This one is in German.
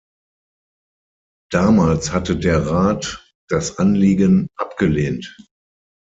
Damals hatte der Rath das Anliegen abgelehnt.